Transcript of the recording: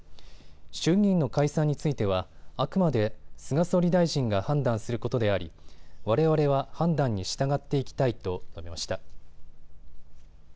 衆議院の解散については、あくまで菅総理大臣が判断することでありわれわれは判断に従っていきたいと述べました。